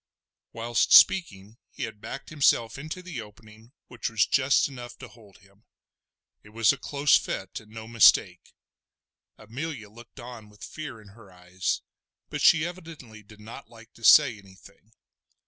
Whilst speaking he had backed himself into the opening which was just enough to hold him. It was a close fit and no mistake. Amelia looked on with fear in her eyes, but she evidently did not like to say anything.